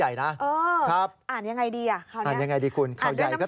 อ่านด้วยน้ำเสียงยังไง